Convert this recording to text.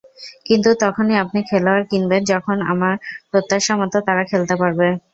কিন্তু তখনই আপনি খেলোয়াড় কিনবেন যখন আমার প্রত্যাশামতো তারা খেলতে পারবে।